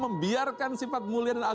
membiarkan kita untuk menolong orang lainnya